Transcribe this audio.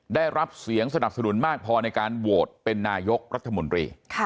ได้รับเสียงสนับสนุนมากพอในการโหวตเป็นนายกรัฐมนตรี